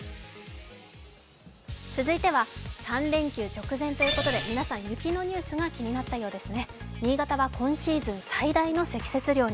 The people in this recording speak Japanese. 続いては３連休直前ということで皆さん、雪のニュースが気になったようですね新潟は今シーズン最大の積雪量に。